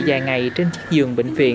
vài ngày trên chiếc giường bệnh viện